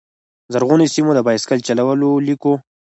زرغونو سیمو، د بایسکل چلولو لیکو